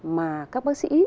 mà các bác sĩ